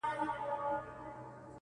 پيرې مريد دې يمه پيرې ستا پيري کومه-